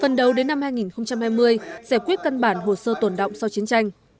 phần đầu đến năm hai nghìn hai mươi giải quyết cân bản hồ sơ tổn động sau chiến tranh